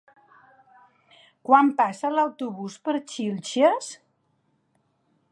Quan passa l'autobús per Xilxes?